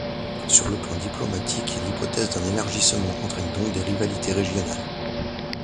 Sur le plan diplomatique, l'hypothèse d'un élargissement entraîne donc des rivalités régionales.